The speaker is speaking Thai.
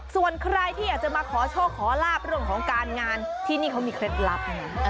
ส่วนใครที่อยากจะมาขอโชคขอลาบเรื่องของการงานที่นี่เขามีเคล็ดลับไง